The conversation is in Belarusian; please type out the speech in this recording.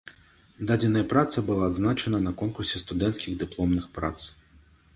Дадзеная праца была адзначана на конкурсе студэнцкіх дыпломных прац.